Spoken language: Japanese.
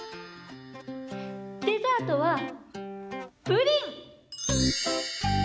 デザートはプリン！